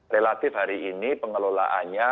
relatif hari ini pengelolaannya